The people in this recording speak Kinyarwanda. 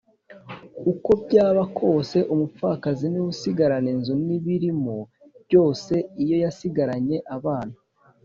uko byaba kose umupfakazi niwe usigarana inzu n’ibirimo byose iyo yasigaranye abana,